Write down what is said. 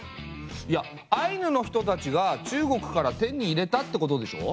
いやアイヌの人たちが中国から手に入れたってことでしょ？